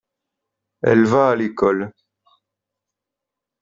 Elle va à l’école.